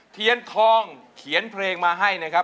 เทียนทองเขียนเพลงมาให้นะครับ